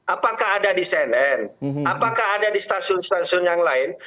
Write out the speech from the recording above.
apakah ada di cnn apakah ada di stasiun stasiun yang lain